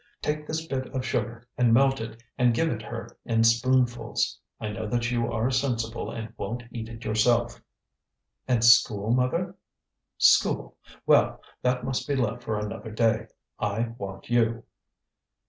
take this bit of sugar and melt it and give it her in spoonfuls. I know that you are sensible and won't eat it yourself." "And school, mother?" "School! well, that must be left for another day: I want you."